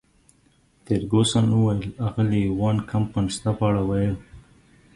فرګوسن وویل: اغلې وان کمپن ستا په اړه ویل.